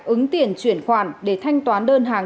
ứng tiền chuyển khoản để thanh toán đơn hàng